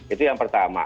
itu yang pertama